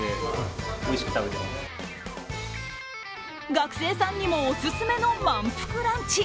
学生さんにもオススメの満腹ランチ。